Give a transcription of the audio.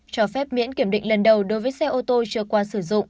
cho phép miễn kiểm định lần đầu đối với xe ô tô chưa qua sử dụng